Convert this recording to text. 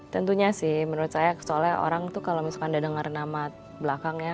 tentunya sih menurut saya soalnya orang tuh kalau misalkan udah denger nama belakangnya